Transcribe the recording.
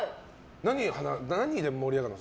何で盛り上がるの？